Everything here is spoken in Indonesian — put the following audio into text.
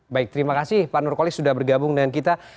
baik terima kasih pak nurkolis sudah bergabung dengan kita